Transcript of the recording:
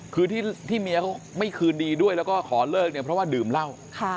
คือที่เมียเขาไม่คืนดีด้วยแล้วก็ขอเลิกเนี่ยเพราะว่าดื่มเหล้า